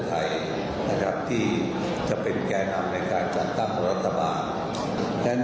ไทยนะครับที่จะเป็นแก่นำในการจัดตั้งรัฐบาลนั้น